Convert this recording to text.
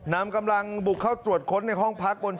น้ำกำลังบุกเข้าตรวจค้นในห้องพักสมาธิบ้านครับ